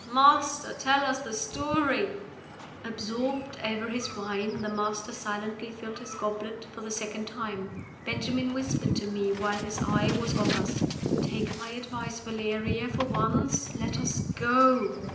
master! tell us the story!" Absorbed over his wine, the Master silently filled his goblet for the second time. Benjamin whispered to me while his eye was off us, "Take my advice, Valeria, for once; let us go."